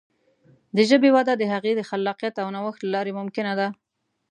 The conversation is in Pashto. د ژبې وده د هغې د خلاقیت او نوښت له لارې ممکنه ده.